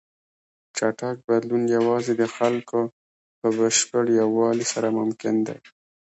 چټک بدلون یوازې د خلکو په بشپړ یووالي سره ممکن دی.